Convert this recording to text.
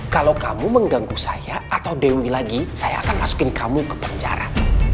kalau kamu mengganggu saya atau dewi lagi saya akan masukin kamu ke penjara